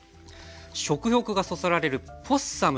食欲がそそられるポッサム